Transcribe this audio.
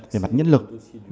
về mặt nhân lực